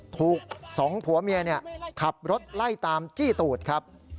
ถูกสองผัวเมียขับรถไล่ตามจี้ตูดครับ